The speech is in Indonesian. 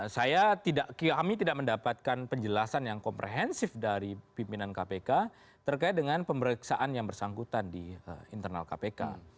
saya kami tidak mendapatkan penjelasan yang komprehensif dari pimpinan kpk terkait dengan pemeriksaan yang bersangkutan di internal kpk